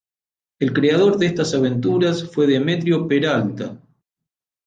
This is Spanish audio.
El creador de estas aventuras fue Demetrio Peralta.